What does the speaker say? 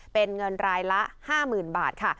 เป็นเงินรายละ๕๐๐๐บาทค่ะ